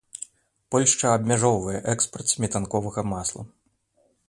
Польшча абмяжоўвае экспарт сметанковага масла.